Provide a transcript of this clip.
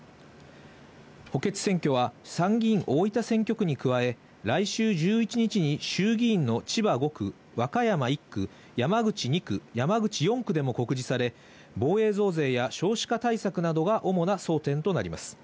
補欠選挙は参議院大分選挙区に加え、来週１１日に衆議院の千葉５区、和歌山１区、山口２区、山口４区でも告示され、防衛増税や少子化対策などが主な争点となります。